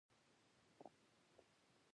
کابل ښار ته تلل زما د ژوند خوب ده